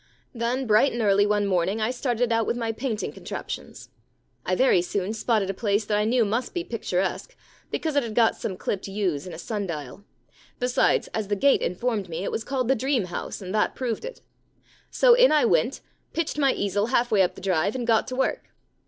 Then bright and early one morning I started out with my painting contraptions. I very soon spotted a place that I knew must be picturesque, because it had got some clipped yews and a sun dial ; besides, as the gate informed me, it was called the Dream House, and that proved it. So in I went, pitched my easel half way up the drive, and got to work.